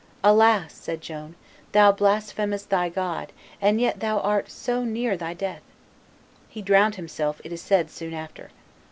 "Alas!" said Joan, "thou blasphemest thy God, and yet thou art so near thy death!" He drowned himself, it is said, soon after.